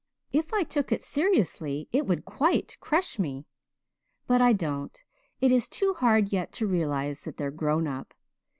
If I took it seriously it would quite crush me. But I don't it is too hard yet to realize that they're grown up.